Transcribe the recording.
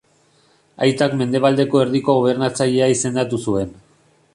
Aitak mendebaldeko erdiko gobernatzailea izendatu zuen.